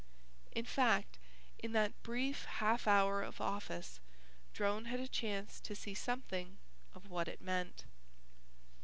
In fact, in that brief half hour of office, Drone had a chance to see something of what it meant.